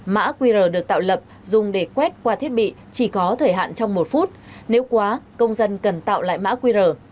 mã qr được tạo lập dùng để quét qua thiết bị chỉ có thời hạn trong một phút nếu quá công dân cần tạo lại mã qr